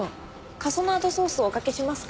カソナードソースをおかけしますか？